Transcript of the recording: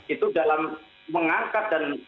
itu dalam mengangkat dan